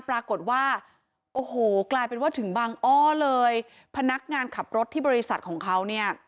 ปรากฏว่าโอ้โหกลายเป็นว่าถึงบางอ้อเลยพนักงานขับรถที่บริษัทของเขาเนี่ย